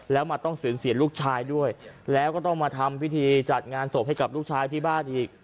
แล้วมาต้องสูญเสียลูกชายด้วยแล้วก็ต้องมาทำพิธีจัดงานศพให้กับลูกชายที่บ้านอีก